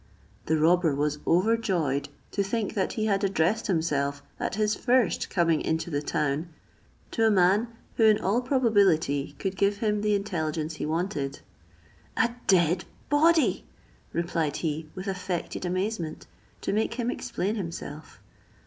The robber was overjoyed to think that he had addressed himself, at his first coming into the town, to a man who in all probability could give him the intelligence he wanted. "A dead body!" replied he with affected amazement, to make him explain himself.